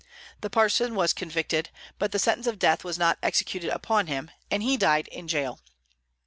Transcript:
The parson was convicted; but the sentence of death was not executed upon him, and he died in jail.